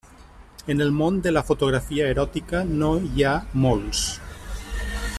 En el món de la fotografia eròtica no hi ha molts.